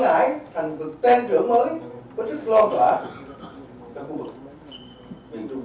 là cái gì ạ tên trưởng ở hồ chí minh bình dương đồng nam tên trưởng hà nội hay không